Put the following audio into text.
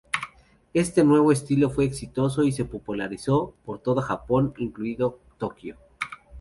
Este nuevo estilo fue exitoso y se popularizó por todo Japón, incluido Tokio.